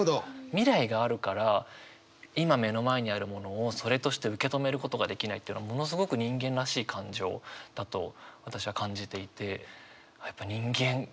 未来があるから今目の前にあるものをそれとして受け止めることができないっていうのものすごく人間らしい感情だと私は感じていて。